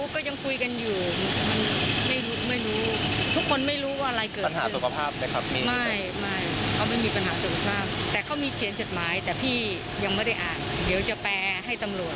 เขามีเขียนจัดหมายแต่พี่ยังไม่ได้อ่านเดี๋ยวจะแปลให้ตำรวจ